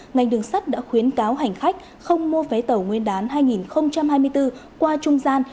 ngành đường sắt đã khuyến cáo hành khách không mua vé tàu nguyên đán hai nghìn hai mươi bốn qua trung gian